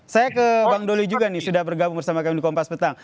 saya ke bang doli juga nih sudah bergabung bersama kami di kompas petang